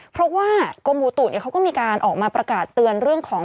เพราะว่ากรมอุตุเขาก็มีการออกมาประกาศเตือนเรื่องของ